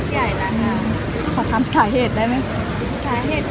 ขออนุญาตสกัดได้บ้างนะเป็นยังตามบ้างอีก